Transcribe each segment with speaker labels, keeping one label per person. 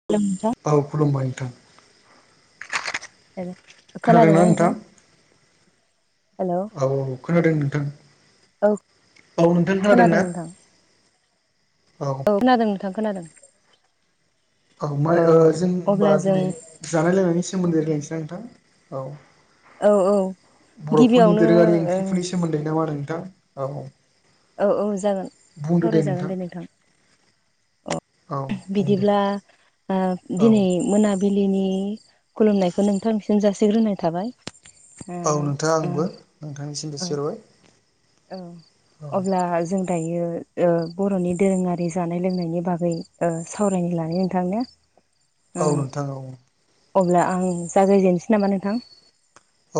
Speaker 1: [unintelligible]
Speaker 2: औ खुलुमबाय नोंथां। खोनादोंना नोंथां
Speaker 1: हेलौ
Speaker 2: औ औ खोनादों नोंथां।
Speaker 1: औ
Speaker 2: औ नोंथां
Speaker 1: खोनादों
Speaker 2: ना
Speaker 1: नोंथां औ खोनादों। थां खोनादों।
Speaker 2: औ ओमफाय ओ जों
Speaker 1: अब्ला
Speaker 2: होमबा
Speaker 1: जों
Speaker 2: दिनै जानाय लोंनायनि सोमोन्दै राय्लायनोसै नोंथां औ
Speaker 1: औ औ
Speaker 2: बर'फोरनि
Speaker 1: गिबियावनो
Speaker 2: दोरोङारि
Speaker 1: ओ
Speaker 2: ओंख्रिफोरनि सोमोन [unintelligible] आरो नोंथां औ
Speaker 1: औ औ जागोन सावरायजागोन दे नोंथां।
Speaker 2: औ बुंदे
Speaker 1: बिदिब्ला ओ दिनै मोनाबिलिनि खुलुमनायखौ नोंथांनिसिम जासिग्रोनाय थाबाय। ओ
Speaker 2: औ नोंथां
Speaker 1: ओ
Speaker 2: आंबो नोंथांनिसिम
Speaker 1: औ
Speaker 2: जासिहरबाय
Speaker 1: औ
Speaker 2: औ
Speaker 1: अब्ला जों दायो ओ बर'नि दोरोङारि जानाय लोंनायनि बागै ओ सावरायनो लानाय नोंथांनो
Speaker 2: औ
Speaker 1: ओ
Speaker 2: नोंथां औ
Speaker 1: अब्ला आं जागायजेनसै नामा नोंथां।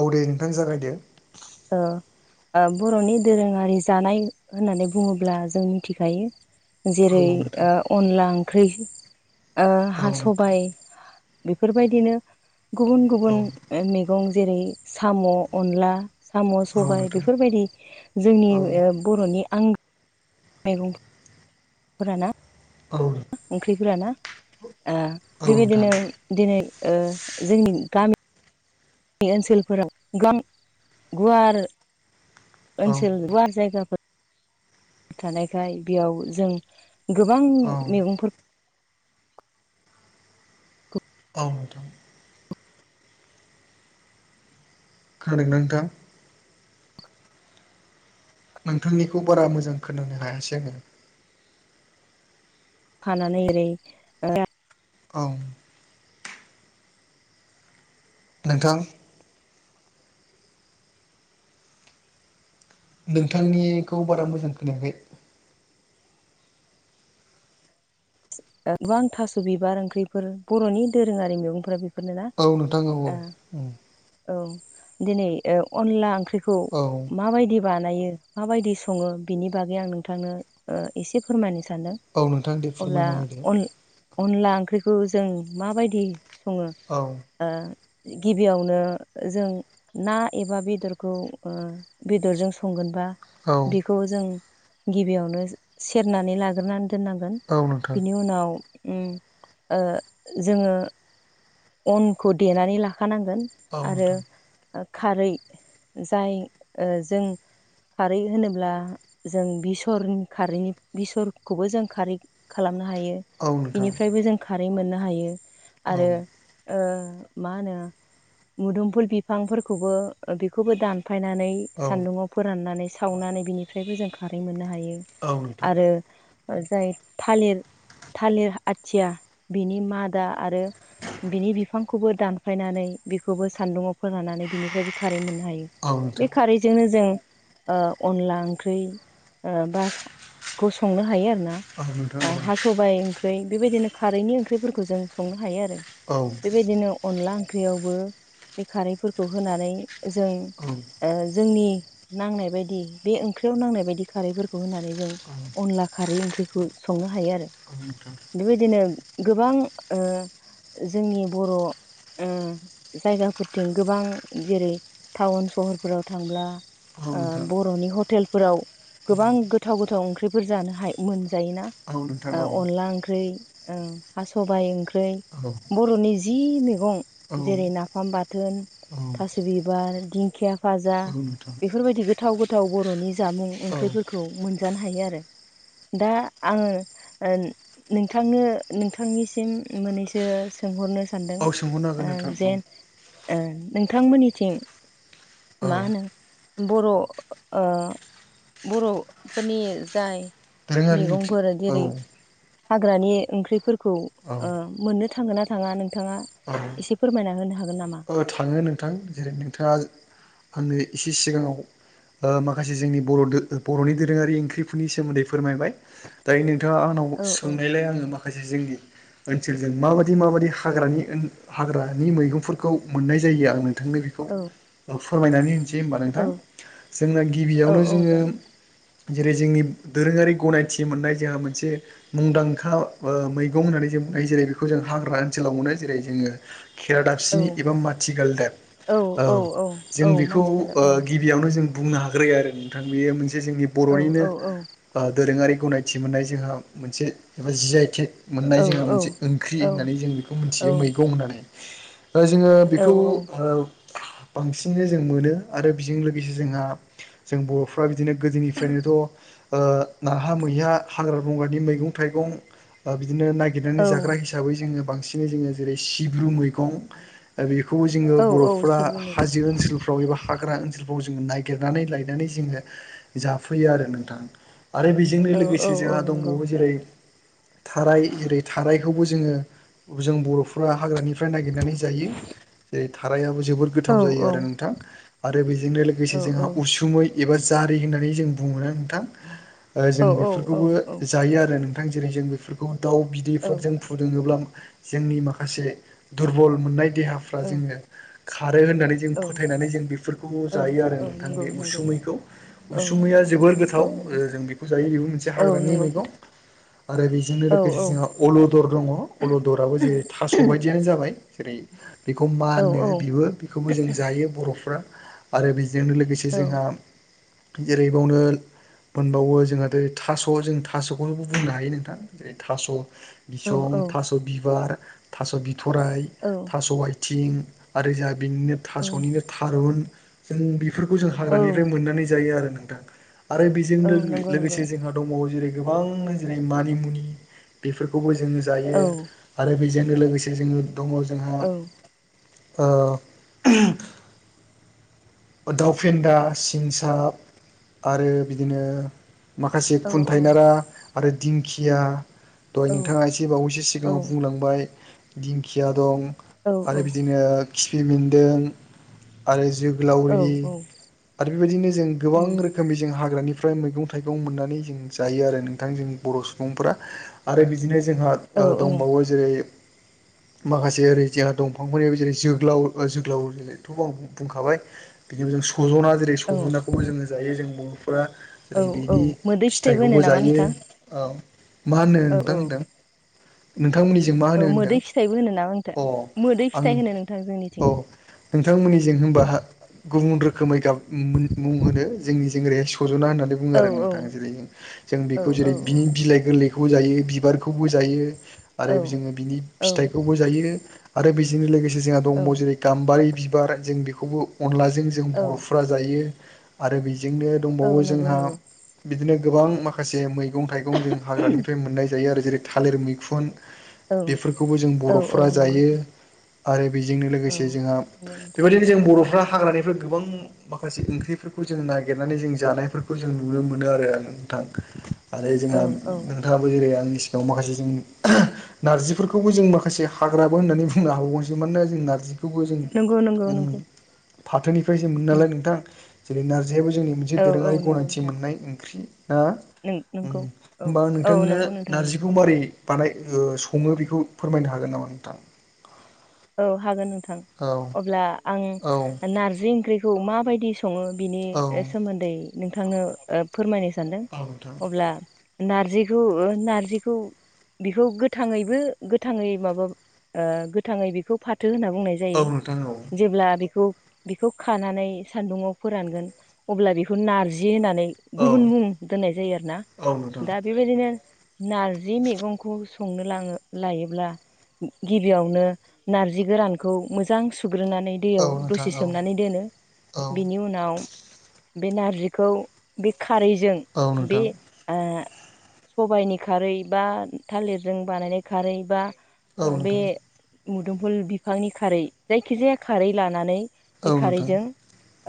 Speaker 2: औ दे नोंथां जागायदो।
Speaker 1: ओ ओ बर'नि दोरोङारि जानाय होननानै बुङोब्ला जों मिथिखायो जेरै
Speaker 2: औ नोंथां
Speaker 1: ओ अनला ओंख्रै ओ
Speaker 2: औ
Speaker 1: हा
Speaker 2: नोंथां
Speaker 1: सबाइ बेफोरबायदिनो गुबुन
Speaker 2: औ
Speaker 1: गुबुन ओ मैगं जेरै साम', अनला साम'
Speaker 2: औ
Speaker 1: सबाय
Speaker 2: नोंथां
Speaker 1: बेफोरबायदि जोंनि
Speaker 2: औ
Speaker 1: ओ बर'नि आंगो मैगं [inaudible] फोरा ना?
Speaker 2: औ।
Speaker 1: ओंख्रिफोरा ना ओ
Speaker 2: औ नोंथां
Speaker 1: बेबायदिनो दिनै ओ जोंनि गामि नि ओनसोलफोराव गोबां [inaudible] गुवार [inaudible]
Speaker 2: औ
Speaker 1: ओनसोल गुवार जायगाफोर थानायखाय बेयाव जों गोबां
Speaker 2: औ
Speaker 1: मैगंफोर
Speaker 2: औ नोंथां। खोनादों ना नोंथां? नोंथांनिखौ बारा मोजां खोनानो हायासै आङो।
Speaker 1: खानानै ओरै ओ
Speaker 2: औ। नोंथां नोंथांनिखौ बारा मोजां खोनाखै।
Speaker 1: ओ गोबां थास' बिबार ओंख्रिफोर बर'नि दोरोङारि मैगंफोरा बे
Speaker 2: औ नोंथां औ औ।
Speaker 1: औ दिनै ओ अनला ओंख्रिखौ
Speaker 2: औ
Speaker 1: माबायदि बानायो माबायदि सङो बिनि बागै आं नोंथांनो ओ एसे फोरमायनो सानदों।
Speaker 2: औ नोंथां दे
Speaker 1: अब्ला
Speaker 2: फोरमायना होदो।
Speaker 1: अन अनला ओंख्रिखौ जों माबायदि सङो
Speaker 2: औ।
Speaker 1: ओ गिबियावनो जों ना एबा बेदरखौ ओ बेदरजों संगोनबा
Speaker 2: औ
Speaker 1: बेखौ जों गिबियावनो सेरनानै लाग्रोनानै दोननांगोन।
Speaker 2: औ नोंथां।
Speaker 1: बिनि उनाव उम ओ जोङो अनखौ देनानै लाखानांगोन
Speaker 2: औ
Speaker 1: आरो
Speaker 2: नोंथां
Speaker 1: ओ खारै जाय ओ जों खारै होनोब्ला जों बेसरनि खारैनि बेसरखौबो जों खारै खालामनो हायो
Speaker 2: औ नोंथां
Speaker 1: बिनिफ्रायबो जों खारै मोननो हायो
Speaker 2: औ
Speaker 1: आरो ओ मा होनो मुदुमफुल बिफांफोरखौबो बेखौबो दानफायनानै
Speaker 2: औ
Speaker 1: सान्दुङाव फोराननानै सावनानै बिनिफ्रायबो जों खारै मोननो हायो
Speaker 2: औ नोंथां
Speaker 1: आरो जाय थालिर थालिर आथिया बिनि मादा आरो बिनि बिफांखौबो दानफायनानै बिखौबो सान्दुङाव फोरानानै बिनिफ्रायबो खारै मोननो हायो।
Speaker 2: औ नोंथां
Speaker 1: बे खारैजोंनो जों ओ अनला ओंख्रि ओ बा जों खौ संनो हायो आरो ना।
Speaker 2: अ नोंथां नंगौ।
Speaker 1: सबाइ ओंख्रि बेबायदिनो खारैनि ओंख्रिफोरखौ जों संनो हायो आरो।
Speaker 2: औ।
Speaker 1: बेबायदिनो अनला ओंख्रियावबो बे खारैफोरखौ होनानै जों
Speaker 2: औ
Speaker 1: ओ जोंनि नांनाय बायदि बे ओंख्रियाव नांनाय बायदि खारैफोरखौ होननानै जों
Speaker 2: [inaudible]
Speaker 1: अनला खारै ओंख्रिखौ संनो हायो आरो।
Speaker 2: नोंथां
Speaker 1: बेबायदिनो गोबां ओ जोंनि बर' ओ जायगाफोरथिं गोबां जेरै टाउन सहरफोराव थांब्ला
Speaker 2: औ
Speaker 1: ओ
Speaker 2: नोंथां
Speaker 1: बर'नि हटेलफोराव
Speaker 2: औ
Speaker 1: गोबां गोथाव गोथाव ओंख्रिफोर जानो हा मोनजायो ना
Speaker 2: औ नोंथां औ
Speaker 1: ओ अनला ओंख्रै ओं हा सबाइ ओंख्रै
Speaker 2: औ
Speaker 1: बर'नि जि मे गं
Speaker 2: औ
Speaker 1: जेरै नाफाम बाथोन थास बिबार दिंखिया फाजा
Speaker 2: औ नोंथां
Speaker 1: बेफोरबायदि गोथाव गोथाव बर'नि जामुं
Speaker 2: औ
Speaker 1: ओंख्रिफोर खौ मोनजानो हायो आरो दा आङो ओ नोंथांनो नोंथांनिसिम मोननैसो सोंहरनो सान्दों
Speaker 2: औ सोंहरनो हागोन
Speaker 1: ओ
Speaker 2: नोंथां
Speaker 1: जेन ओ नोंथां मोनिथिं
Speaker 2: औ
Speaker 1: मा होनो बर' ओ बर'फोरनि जाय
Speaker 2: [unintelligible]
Speaker 1: फोर देरै हाग्रानि ओंख्रिफोरखौ
Speaker 2: औ
Speaker 1: ओ मोननो थाङोना थाङा नोंथाङा
Speaker 2: औ
Speaker 1: एसे फोरमायना होनो हागोन नामा?
Speaker 2: ओ थाङो नोंथां जेरै नोंथाङा आंनो एसे सिगाङाव ओ माखासे जोंनि बर' दो बर'नि दोरोङारि ओंख्रिफोरनि सोमोन्दै फोरमायबाय। दायो नोंथाङा आंनाव
Speaker 1: औ औ
Speaker 2: सोंनायलाय आङो मा खासे जोंनि ओनसोलजों माबादि माबादि हाग्रानि ओन हाग्रानि मैगंफोर खौ मोननाय जायो आं नोंथांनो बि खौ
Speaker 1: औ
Speaker 2: ओ फोरमायनानै होनसै होमबा
Speaker 1: औ
Speaker 2: नोंथां। जोंना
Speaker 1: औ
Speaker 2: गिबियावनो
Speaker 1: औ
Speaker 2: जोङो
Speaker 1: जागोन
Speaker 2: जेरै जोंनि दोरोङारि गनायथि मोननाय जोंहा मोनसे। मुंदांखा ओ मैगं होननानै जों बुंनो हायो जेरै बेखौ जों हाग्रा ओनसोलाव मोनो। जेरै जोङो खेरा दाबसि
Speaker 1: औ
Speaker 2: एबा माथिगालदाब औ जों
Speaker 1: औ
Speaker 2: बेखौ
Speaker 1: मानसि गालदाब
Speaker 2: ओ
Speaker 1: औ
Speaker 2: गि बियावनो जों बुंनो हाग्रो आरो नोंथां बेयो मोनसे जोंनि
Speaker 1: औ
Speaker 2: बर'निनो
Speaker 1: औ औ
Speaker 2: आ दोरोङारि गनायथि मोननाय जोहा मोनसे एबा जि आइ थेग मोननाय
Speaker 1: औ
Speaker 2: जोंहा
Speaker 1: औ
Speaker 2: मोनसे ओंख्रि
Speaker 1: औ
Speaker 2: होननानै जों बिखौ मोन्थियो मैगं होननानै। दा जोङो बिखौ
Speaker 1: औ
Speaker 2: ओ बांसिनै जों मोनो आरो बिजों लोगोसे जोंहा जों बर'फ्रा बिदिनो गोदोनिफ्रायनोथ' ओ नाहा मैहा हाग्रा बंग्रानि मैगं थाइगं ओ बिदिनो नायगिरनानै
Speaker 1: औ
Speaker 2: जाग्रा हिस साबै जोङो बांसिनै जोङो जेरै सिब्रु मैगं दा बेखौबो जोङो
Speaker 1: औ औ
Speaker 2: बर'फ्रा
Speaker 1: सिब्रु मैगं
Speaker 2: हाजो ओनसोल फ्राव एबा हाग्रा ओनसोलफ्राव जोङो नायगिरनानै लायनानै जोङो जाफैयो आरो नोंथां। आरो बेजोंनो
Speaker 1: औ औ
Speaker 2: लोगोसे
Speaker 1: औ
Speaker 2: जोंहा
Speaker 1: नंगौ
Speaker 2: दंबावो जेरै थाराय जेरै थारायखौबो जोङो जों बर'फ्रा हाग्रानिफ्राय नायगिरनानै जायो जेरै थारायाबो जोबोर
Speaker 1: औ
Speaker 2: गोथाव जायो
Speaker 1: औ
Speaker 2: आरो नोंथां आरो बेजोंनो
Speaker 1: औ
Speaker 2: लोगोसे जोंहा उसुमै एबा जारि होननानै जों बुङोना नोंथां ओ जों
Speaker 1: औ औ औ
Speaker 2: बिफोरखौबो जायो आरो नों थां जेरै जों बिफोरखौ दाउ बिदैफोरजों
Speaker 1: औ
Speaker 2: फुदुङोब्ला जोंनि माखासे दुरबल मोननाय देहाफ्रा जोङो खारो होननानै। जों
Speaker 1: औ
Speaker 2: फोथायनानै जों बिफोरखौ
Speaker 1: औ
Speaker 2: जायो आरो
Speaker 1: औ
Speaker 2: नोंथां
Speaker 1: नंगौ
Speaker 2: बे
Speaker 1: नंगौ
Speaker 2: उसुमैखौ
Speaker 1: औ
Speaker 2: उसुमैया
Speaker 1: औ नंगौ
Speaker 2: जोबोर गोथाव।
Speaker 1: औ
Speaker 2: ओ
Speaker 1: नंगौ
Speaker 2: जों बिखौ जायो बिबो मोनसे
Speaker 1: औ
Speaker 2: हाग्रानि
Speaker 1: नंगौ
Speaker 2: मैगं आरो बि जोंनो
Speaker 1: औ
Speaker 2: लोगोसे
Speaker 1: औ
Speaker 2: जोंहा अल'दर दङ अलदराबो जे थास' बायदियानो जाबाय। जेरै बिखौ मा
Speaker 1: औ
Speaker 2: होनो बिबो बिखौबो जों जायो बर'फ्रा आरो बिजोंनो लोगोसे जे
Speaker 1: औ
Speaker 2: जोंहा जेरै बावनो मोनबावो जोंहा देरै थास' जों थास'खौनोबो बुंनो हायो नोंथां जेरै थास'
Speaker 1: औ
Speaker 2: बिसं थास' बिबार थास' बिथराइ
Speaker 1: औ
Speaker 2: थास आथिं आरो जोंहा बेनिनो
Speaker 1: औ
Speaker 2: थासनिनो थारुन जों बेफोरखौ जों
Speaker 1: औ
Speaker 2: हाग्रानिफ्राय मोननानै जायो आरो नोंथां आरो
Speaker 1: औ
Speaker 2: बेजोंनो
Speaker 1: नंगौ नंगौ
Speaker 2: लोगोसे जोंहा दंबावो जेरै गोबांनो जेरै मानिमुनि बेफोरखौबो जोङो जायो।
Speaker 1: औ
Speaker 2: आरो बेजोंनो लोगोसे जोङो दङ जोंहा
Speaker 1: औ
Speaker 2: ओ दाव फिनदा सिंसाब आरो बिदिनो माखासे
Speaker 1: औ औ
Speaker 2: खुन्थायाइनारा आरो दिंखिया दहय
Speaker 1: औ
Speaker 2: नोंथाङा एसे बावैसो सिगाङाव बुंलांबाय दिंखिया दं
Speaker 1: औ उम औ
Speaker 2: आरो बिदिनो खिफि बेन्दों आरो जु जोगोलावरि आरो बेबायदिनो जों गोबां रोखोमनि जों हाग्रानिफ्राय मैगं थाइ गं मोननानै जों जायो आरो नोंथां जों बर' सुबुंफोरा आरो बिदिनो जोंहा ओ दंबावो जे माखासे ओरै जोंहा दंफांफोरनि जेरै जोग्लाव जोग्लावथ' आं बुंखाबाय बिदिनिफ्राय जों सज'ना जेरै
Speaker 1: औ
Speaker 2: सज'नाखौबो जोङो जायो जों बर'फोरा
Speaker 1: औ
Speaker 2: जेरै बिनि
Speaker 1: औ मोदै फिथाइबो होनो
Speaker 2: फिथाइखौबो
Speaker 1: नामा
Speaker 2: जायो
Speaker 1: नोंथां
Speaker 2: औ मा होनो
Speaker 1: औ औ
Speaker 2: नोंथां होनदों नोंथांमोननिजों मा होनो
Speaker 1: औ
Speaker 2: होनदों?
Speaker 1: मोदै फिथाइबो होनो नामा नोंथां
Speaker 2: अ
Speaker 1: मोदै
Speaker 2: आं
Speaker 1: फिथाइ होनो नोंथां जोंनिथिं
Speaker 2: अ नोंथांमोननि जों होनबा गुबुन रोखोमै गाब मुं होनो जोंनि ओैहाय सज'ना होननानै बुङो
Speaker 1: औ
Speaker 2: आरो
Speaker 1: औ
Speaker 2: नोंथां जेरै जों
Speaker 1: औ
Speaker 2: बेखौ
Speaker 1: औ
Speaker 2: जेरै बिनि बिलाइ गोरलै खौ जायो बिबारखौबो जायो आरो
Speaker 1: औ
Speaker 2: जोङो बिनि
Speaker 1: औ
Speaker 2: फिथाइखौबो जायो आरो बेजोंनो लोगोसे जोंहा
Speaker 1: औ
Speaker 2: दंबावो जेरै गाम्बारि बिबार जों बेखौबो अनलाजों जों
Speaker 1: औ
Speaker 2: बर'फ्रा जायो आरो बेजोंनो
Speaker 1: औ
Speaker 2: दंबावो
Speaker 1: नंगौ
Speaker 2: जोंहा
Speaker 1: नंगौ
Speaker 2: बिदिनो गोबां माखसे मै गं थाइगं जों हाग्रानिफ्राय मोननाय जायो आरो जेरै थालिर मैखुन
Speaker 1: औ
Speaker 2: बेफोरखौबो जों
Speaker 1: औ औ
Speaker 2: बर'फ्रा
Speaker 1: नंगौ
Speaker 2: जायो आरो बेजोंनो
Speaker 1: औ
Speaker 2: लोगोसे जोंहा
Speaker 1: नंगौ नोंथां
Speaker 2: बेबायदिनो जों बर'फ्रा हाग्रानिफ्राय गोबां माखासे ओंख्रिफोरखौ जों नागिरनानै जों जानायफोरखौ जों नुनो मोनो आरो। नोंथां आरो जोंहा
Speaker 1: औ औ
Speaker 2: नोंथाङाबो जेरै आंनि सिगाङाव माखासे जों नारजिफोरखौबो जों माखासे हाग्राबो होननानै बुंनो हाबावगोनसो मानोना जों नारजि बेखौबो जों
Speaker 1: नंगौ नंगौ
Speaker 2: उम
Speaker 1: नंगौ
Speaker 2: फाथोनिफ्राय जों मोनो नालाय
Speaker 1: उम
Speaker 2: नोंथां जेरै नारजियाबो जोंनि
Speaker 1: औ औ
Speaker 2: दोरोङारि
Speaker 1: नंगौ
Speaker 2: गनायथि
Speaker 1: नोंथां
Speaker 2: मोननाय ओंख्रि ना
Speaker 1: नों
Speaker 2: उम
Speaker 1: नंगौ औ
Speaker 2: होनबा
Speaker 1: औ
Speaker 2: नोंथांनो
Speaker 1: नंगौ नोंथां नंगौ
Speaker 2: नारजिखौ मारै बानाय ओ सङो बेखौ फोरमायनो हागोन नामा नोंथां?
Speaker 1: औ हागोन नोंथां
Speaker 2: औ
Speaker 1: अब्ला
Speaker 2: औ
Speaker 1: आं नारजि ओंख्रिखौ माबायदि सङो बिनि
Speaker 2: औ
Speaker 1: सोमोन्दै नोंथांनो ओ फोरमायनो सानदों
Speaker 2: औ नोंथां
Speaker 1: अब्ला नारजिखौ नारजिखौ बेखौ गोथाङैबो गोथाङै माबा ओ गोथाङै बे खौ फाथो होनना
Speaker 2: औ
Speaker 1: जायो
Speaker 2: नोंथां औ
Speaker 1: जेब्ला बेखौ बेखौ खानानै सान्दुंआव फोरानगोन अब्ला बेखौ नारजि होनानै गुबुन
Speaker 2: औ
Speaker 1: मुं दोननाय आरोना
Speaker 2: औ नोंथां
Speaker 1: दा बेबायदिनो नारजि मैगंखौ संनो लां लायोब्ला गिबियावनो नारजि गोरानखौ मोजां सुग्रोनानै
Speaker 2: औ
Speaker 1: दैयाव दसे
Speaker 2: नोंथां औ
Speaker 1: सोमनानै दोनो
Speaker 2: औ
Speaker 1: बिनि उनाव बे नारजिखौ बे खारैजों
Speaker 2: औ
Speaker 1: बे
Speaker 2: नोंथां
Speaker 1: ओ सबायाइनि खारै बा थालिरजों बानायनाय खारै बा
Speaker 2: औ
Speaker 1: बे
Speaker 2: नोंथां
Speaker 1: मुदुमफुल बिफांनि खारै जायखिजाया खारै लानानै
Speaker 2: औ
Speaker 1: बे
Speaker 2: नोंथां
Speaker 1: खारैजों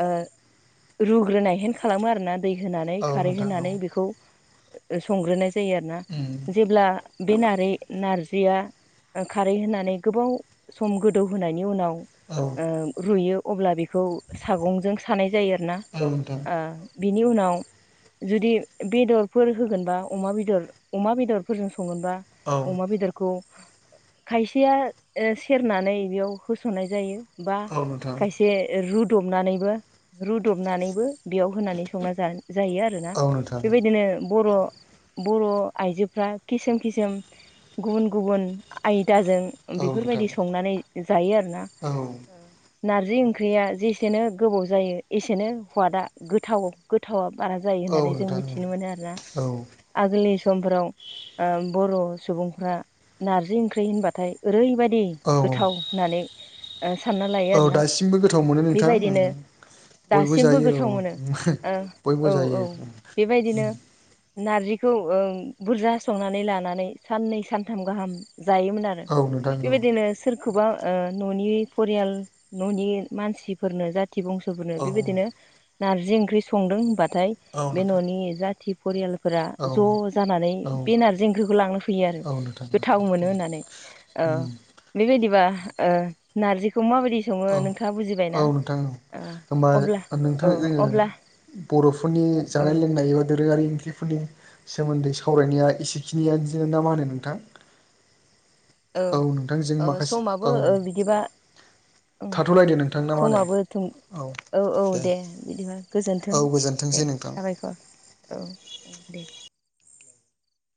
Speaker 1: ओ रुग्रोनायहेन खालामो आरोना दै होनानै
Speaker 2: औ
Speaker 1: खारै
Speaker 2: नोंथां औ
Speaker 1: होनानै बेखौ संग्रोनाय जायो आरो ना
Speaker 2: उम
Speaker 1: जेब्ला बे नारै नारजिया खारै होनानै गोबाव सम गोदौहोनायनि उनाव
Speaker 2: औ
Speaker 1: ओ रुयो अब्ला बेखौ सागंजों सानाय जायो आरो ना
Speaker 2: औ नोंथां
Speaker 1: ओ बिनि उनाव जुदि बेदरफोर होगोनबा अमा बेदर अमा बेदर संगोनबा
Speaker 2: औ
Speaker 1: अमा बेदरखौ खायसेया ओ सेरनानै बेयाव होस'नाय जायो बा
Speaker 2: औ नोंथां
Speaker 1: खायसे रुदबनानैबो रुदबनानैबो बेयाव होनानै संना जा जायो आरोना
Speaker 2: औ नोंथां औ नोंथां
Speaker 1: बेबादिनो बर' बर' आइजोफ्रा किसोम किसोम गुबुन गुबुन आयदाजों
Speaker 2: औ नोंथां
Speaker 1: बेफोरबायदि संनानै जायो आरोना
Speaker 2: औ
Speaker 1: नारजि ओंख्रिया जेसेनो गोबाव जायो एसेनो खवादा गोथाव गोथावा बारा जायो होननानै जों मिथिनो मोनो आरोना
Speaker 2: औ
Speaker 1: आगोलनि समफोराव ओ बर' सुबुंफोरा नारजि ओंख्रि होनबाथाय ओरैबायदि।
Speaker 2: औ
Speaker 1: गोथाव होननानै सानना ओ लायो
Speaker 2: औ
Speaker 1: आरोना
Speaker 2: दासिमबो गोथाव मोनो नोंथां
Speaker 1: बेबायदिनो।
Speaker 2: उम बयबो
Speaker 1: दासिमबो
Speaker 2: जायो औ
Speaker 1: गोथाव मोनो
Speaker 2: बयबो
Speaker 1: ओ औ
Speaker 2: जायो
Speaker 1: औ बेबायदिनो।
Speaker 2: उम
Speaker 1: नारजिखौ ओं बुरजा संनानै लानानै साननै सानथाम गाहाम जायोमोन आरो।
Speaker 2: औ नोंथां औ
Speaker 1: बेबायदिनो सोरखौबा ओ न'नि फरियाल न'नि मानसिफोरनो जा जाथि बंस'फोरनो
Speaker 2: औ
Speaker 1: बेबायदिनो नारजि ओंख्रि संदों होनबाथाय
Speaker 2: औ
Speaker 1: बे
Speaker 2: नोंथां
Speaker 1: न'नि जाथि। फरियालफोरा
Speaker 2: औ
Speaker 1: ज' जानानै
Speaker 2: औ
Speaker 1: बे नारजि ओंख्रिखौ लांनो फैयो आरो
Speaker 2: औ नोंथां
Speaker 1: गोथाव मोनो होननानै। ओ
Speaker 2: उम
Speaker 1: बेबायदिबा ओ नारजिखौ माबायदि। सङो
Speaker 2: औ
Speaker 1: नोंखााङा
Speaker 2: औ
Speaker 1: बुजिबायनाा
Speaker 2: नोंथां औ होमबा
Speaker 1: अब्ला
Speaker 2: नोंथां
Speaker 1: औ
Speaker 2: जोङो
Speaker 1: अब्ला।
Speaker 2: बर'फोरनि
Speaker 1: औ
Speaker 2: जानाय लोंनाय एबा दोरोङारि ओं फोरनि सोमोन्दै सावरायनाया एसेखिनियानो जङ ना मा होनो नोंथां। औ नोंथांजों
Speaker 1: ओ
Speaker 2: माखासे
Speaker 1: समाबो
Speaker 2: औ।
Speaker 1: ओ बिदिबा। ओं
Speaker 2: थाथ'लायदो नोंथां ना मा
Speaker 1: समाबो थुं
Speaker 2: होनो।
Speaker 1: औ औ दे बिदिबा
Speaker 2: औ
Speaker 1: गोजोन्थों
Speaker 2: गोजोनथोंसै
Speaker 1: दे
Speaker 2: नोंथां
Speaker 1: साबायखर। औ दे।